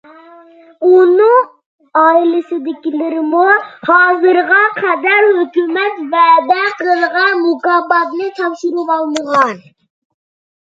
ئۇنىڭ ئائىلىسىدىكىلىرىمۇ ھازىرغا قەدەر ھۆكۈمەت ۋەدە قىلغان مۇكاپاتنى تاپشۇرۇۋالمىغان.